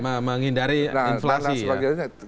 ya menghindari inflasi